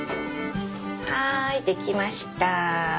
はい出来ました！